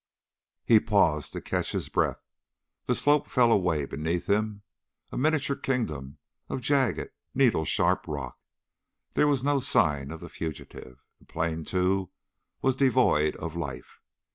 He paused to catch his breath. The slope fell away beneath him, a miniature kingdom of jagged needle sharp rock. There was no sign of the fugitive. The plain, too, was devoid of life.